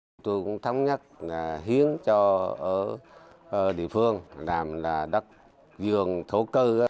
tôi cũng thống nhất hiến cho địa phương làm đất dường thổ cư